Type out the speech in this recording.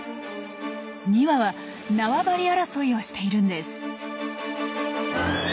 ２羽は縄張り争いをしているんです。